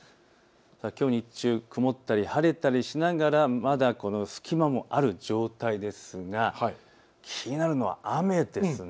きょう日中、曇ったり晴れたりしながらまだ、隙間もある状態ですが気になるの雨ですね。